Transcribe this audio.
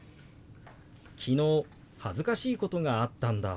「昨日恥ずかしいことがあったんだ」。